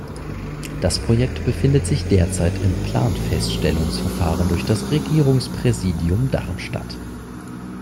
Das Projekt befindet sich derzeit im Planfeststellungsverfahren durch das Regierungspräsidium Darmstadt.